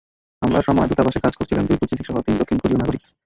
হামলার সময় দূতাবাসে কাজ করছিলেন দুই কূটনীতিকসহ তিন দক্ষিণ কোরীয় নাগরিক।